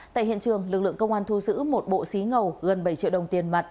tại hiện trường lực lượng công an thu giữ một bộ xí ngầu gần bảy triệu đồng tiền mặt